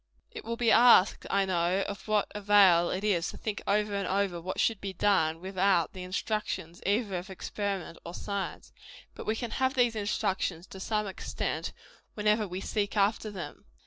It will be asked, I know, of what avail it is to think over and over what should be done, without the instructions, either of experience or science. But we can have these instructions, to some extent, whenever we seek after them.